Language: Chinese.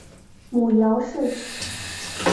母姚氏。